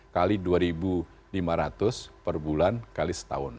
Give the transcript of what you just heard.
kali dua lima ratus per bulan kali setahun